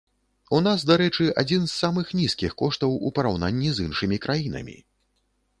У нас, дарэчы, адзін з самых нізкіх коштаў у параўнанні з іншымі краінамі!